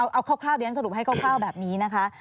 เอาคร่าวเรียนสรุปให้คร่าวแบบนี้นะคะ